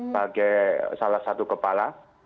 bagai salah satu kepala